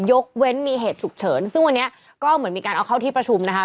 ยกเว้นมีเหตุฉุกเฉินซึ่งวันนี้ก็เหมือนมีการเอาเข้าที่ประชุมนะคะ